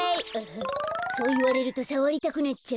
そういわれるとさわりたくなっちゃうよね。